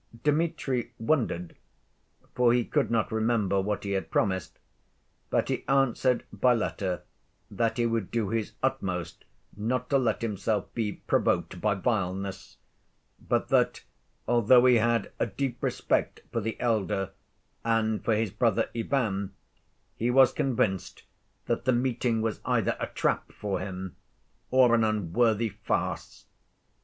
Dmitri wondered, for he could not remember what he had promised, but he answered by letter that he would do his utmost not to let himself be provoked "by vileness," but that, although he had a deep respect for the elder and for his brother Ivan, he was convinced that the meeting was either a trap for him or an unworthy farce.